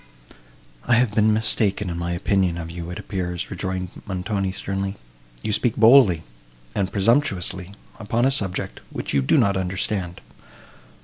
"I have been mistaken in my opinion of you, it appears," rejoined Montoni, sternly. "You speak boldly, and presumptuously, upon a subject, which you do not understand.